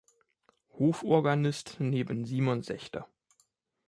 Hoforganist neben Simon Sechter.